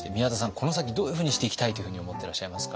この先どういうふうにしていきたいというふうに思ってらっしゃいますか？